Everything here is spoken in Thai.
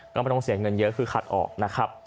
ก็ไม่ต้องเสียเงินเยอะคือขัดออกนะครับ